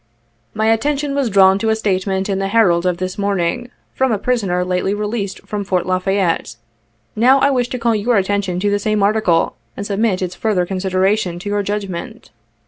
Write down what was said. "My attention was drawn to a statement in the Herald of this morning, from a prisoner lately released from Fort La Fayette. Not I wish to call your attention to the same article, and submit its further consideration to your judgment.